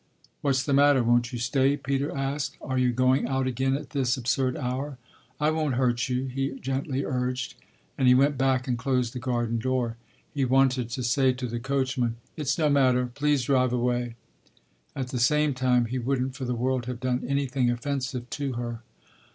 "What's the matter won't you stay?" Peter asked. "Are you going out again at this absurd hour? I won't hurt you," he gently urged. And he went back and closed the garden door. He wanted to say to the coachman, "It's no matter please drive away." At the same time he wouldn't for the world have done anything offensive to her.